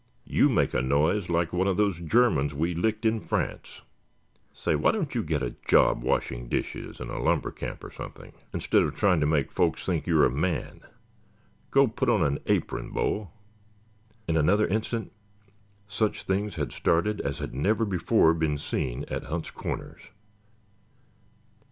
You make a noise like one of those Germans we licked in France. Say, why don't you go get a job washing dishes in a lumber camp or something instead of trying to make folks think you're a man. Go put on an apron, Bo!" In another instant such things had started as had never before been seen at Hunt's Corners.